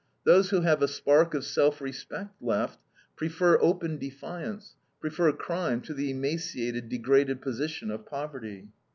Those who have a spark of self respect left, prefer open defiance, prefer crime to the emaciated, degraded position of poverty.